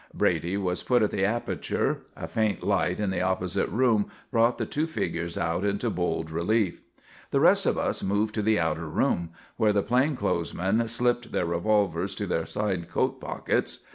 Brady was put at the aperture. A faint light in the opposite room brought the two figures out into bold relief. The rest of us moved to the outer room, where the plain clothes men slipped their revolvers to their side coat pockets.